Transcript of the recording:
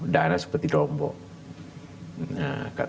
dana seperti dombok